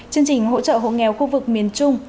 chương trình hỗ trợ hộ nghèo khu vực miền trung